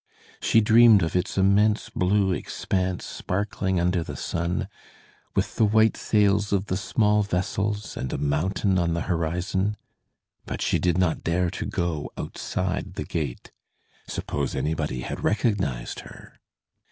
She dreamed of its immense blue expanse sparkling under the sun, with the white sails of the small vessels, and a mountain on the horizon. But she did not dare to go outside the gate. Suppose anybody had recognized her!